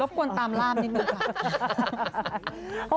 รบกวนตามร่ามนิดหนึ่งค่ะ